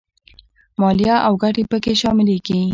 مالیه او ګټې په کې شاملېږي